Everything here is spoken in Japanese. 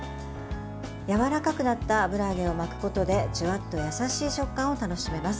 やわらかくなった油揚げを巻くことでジュワッと優しい食感を楽しめます。